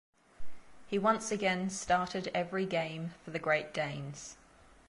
He once again started every game for the Great Danes.